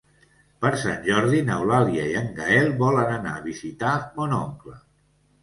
Per Sant Jordi n'Eulàlia i en Gaël volen anar a visitar mon oncle.